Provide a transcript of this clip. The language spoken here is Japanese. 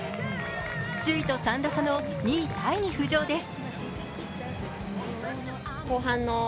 首位と３打差の２位タイに浮上です。